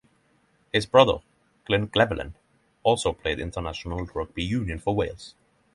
His brother, Glyn Llewellyn, also played international rugby union for Wales.